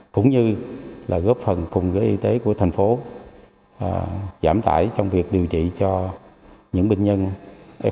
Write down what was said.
cũng như là góp phần cùng với y tế của thành phố giảm tải trong việc điều trị cho những bệnh nhân